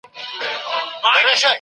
بېلابېلو بنسټونو په ټولنه کي زور درلود.